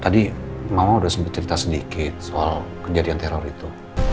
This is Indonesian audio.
tadi mama sudah sebut cerita sedikit soal kejadian teror itu